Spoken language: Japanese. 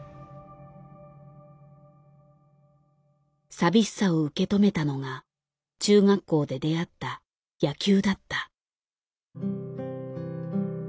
寂しさを受け止めたのが中学校で出会った野球だった。